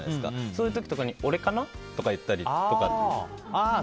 そういう時とかに俺かな？とかって言ったり。